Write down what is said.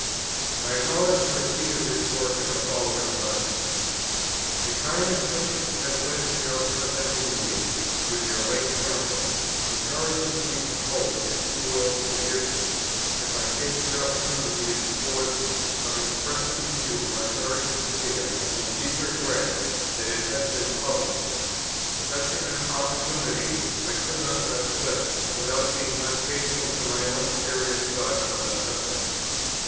I acknowledged the receipt of this work in the following letter: "The kindness which has led to your presenting me with your late Pamphlet, encourages me to hope that you will forgive me, if I take the opportunity it affords of expressing to you my very sincere and deep regret that it has been published. Such an opportunity I could not let slip without being unfaithful to my own serious thoughts on the subject.